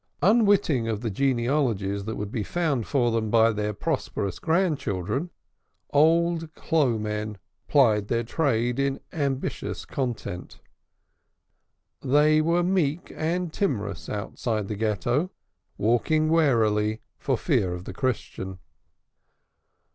Unwitting of the genealogies that would be found for them by their prosperous grandchildren, old clo' men plied their trade in ambitious content. They were meek and timorous outside the Ghetto, walking warily for fear of the Christian.